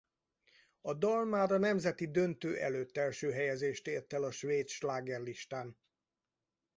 A dal már a nemzeti döntő előtt első helyezést ért el a svéd slágerlistán.